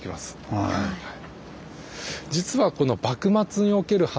はい。